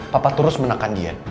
papa terus menekan dia